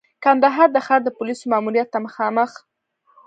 کندهار د ښار د پولیسو ماموریت ته مخامخ.